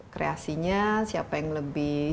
kreasinya siapa yang lebih